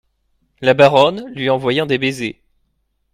La Baronne , lui envoyant des baisers.